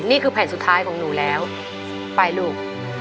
นี่คือแผ่นสุดท้ายของหนูแล้วไปลูก